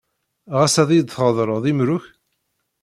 Ɣas ad yi-d-tṛeḍleḍ imru-k?